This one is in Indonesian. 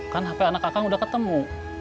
kan hp anak akag udah ketemu